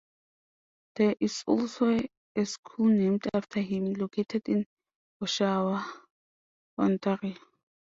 There is also a school named after him, located in Oshawa, Ontario.